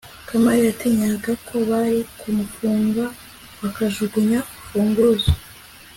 kamali yatinyaga ko bari kumufunga bakajugunya urufunguzo